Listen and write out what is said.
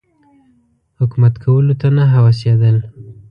حکومت کولو ته نه هوسېدل.